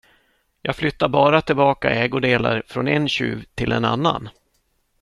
Jag flyttar bara tillbaka ägodelar från en tjuv till en annan.